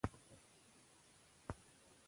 خو خلک د سپوږمۍ ښايست ته ګوته په خوله دي